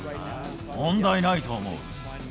問題ないと思う。